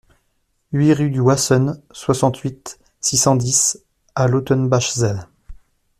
huit rue du Wasen, soixante-huit, six cent dix à Lautenbachzell